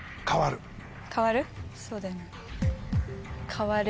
変わる？